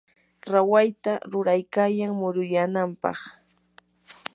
rawayta ruraykayan muruyanampaq.